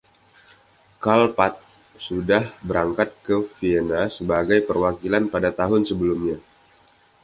Carl Pathe sudah berangkat ke Vienna sebagai perwakilan pada tahun sebelumnya.